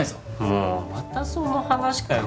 もうまたその話かよ